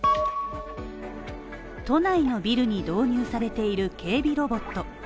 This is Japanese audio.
都内のビルに導入されている警備ロボット。